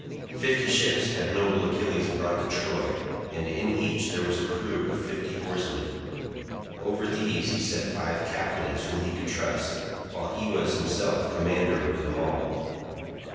Fifty ships had noble Achilles brought to Troy, and in each there was a crew of fifty oarsmen. Over these he set five captains whom he could trust, while he was himself commander over them all.